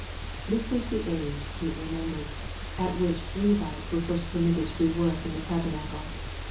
} This was the age, be it remembered, at which Levites were first permitted to do work in the taberaade.